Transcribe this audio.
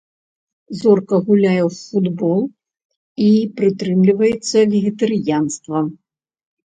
Зорка гуляе ў футбол і прытрымліваецца вегетарыянства.